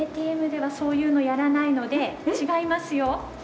ＡＴＭではそういうのやらないので違いますよ。